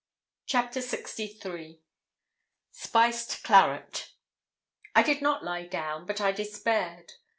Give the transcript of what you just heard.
CHAPTER LXIII SPICED CLARET I did not lie down; but I despaired.